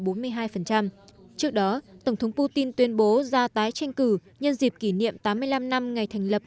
trước đó tổng thống putin tuyên bố ra tái tranh cử nhân dịp kỷ niệm tám mươi năm năm ngày thành lập